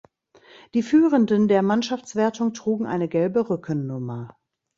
Die Führenden der Mannschaftswertung trugen eine gelbe Rückennummer.